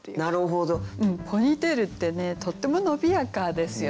ポニーテールってねとっても伸びやかですよね。